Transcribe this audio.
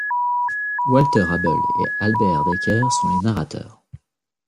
Walter Abel et Albert Dekker sont les narrateurs.